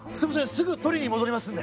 すぐ取りに戻りますんで。